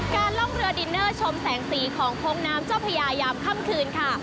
ล่องเรือดินเนอร์ชมแสงสีของโค้งน้ำเจ้าพญายามค่ำคืนค่ะ